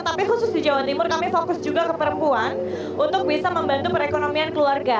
tapi khusus di jawa timur kami fokus juga ke perempuan untuk bisa membantu perekonomian keluarga